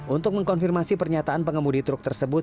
untuk mengkonfirmasi pernyataan pengemudi truk tersebut